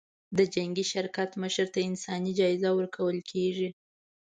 د جنګي شرکت مشر ته انساني جایزه ورکول کېږي.